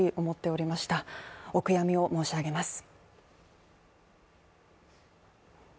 お悔やみを申し上げます。